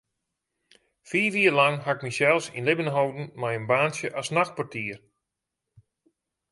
Fiif jier lang ha ik mysels yn libben holden mei in baantsje as nachtportier.